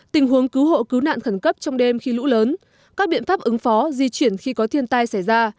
tình huống cứu hộ cứu nạn khẩn cấp trong đêm khi lũ lớn các biện pháp ứng phó di chuyển khi có thiên tai xảy ra